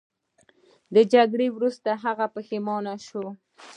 د جګړې وروسته هغه پښیمانه شو.